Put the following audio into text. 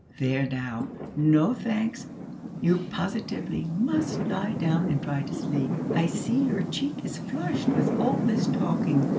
There now, no thanks you positively must lie down and try to sleep. I see your cheek is flushed with all this talking.